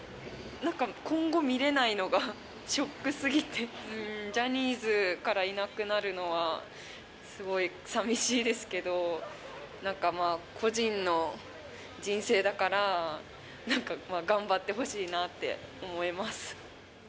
なんか今後見れないのが、ショックすぎて、ジャニーズからいなくなるのは、すごいさみしいですけど、なんかまあ、個人の人生だから頑張ってほしいなって思います。